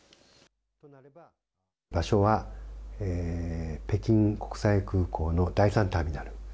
場所は北京国際空港の第３ターミナル。